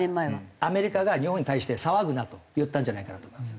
アメリカが日本に対して騒ぐなと言ったんじゃないかなと思いますよ。